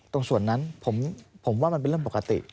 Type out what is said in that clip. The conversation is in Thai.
ตรงส่วนนั้นผมว่ามันเป็นเรื่องปกติ